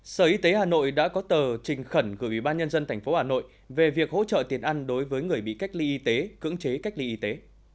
sở y tế hà nội đã có tờ trình khẩn của ubnd tp hà nội về việc hỗ trợ tiền ăn đối với người bị cách ly y tế cưỡng chế cách ly y tế